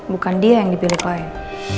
bukan dia yang dipilih lain